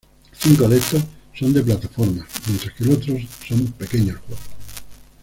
Cinco de estos son de plataformas, mientras que los otros son pequeños juegos.